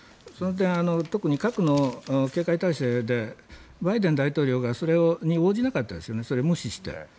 その点、特に、過去の警戒態勢でバイデン大統領がそれに応じなかったんです無視して。